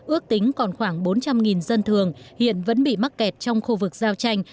ước tính còn khoảng bốn trăm linh dân thường hiện vẫn bị mắc kẹt trong khu vực giao tranh